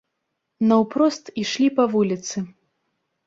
Наўпрост ішлі па вуліцы.